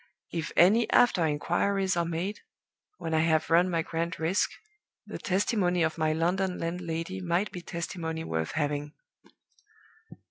If any after inquiries are made, when I have run my grand risk, the testimony of my London landlady might be testimony worth having.